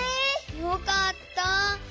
よかった。